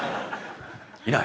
いない。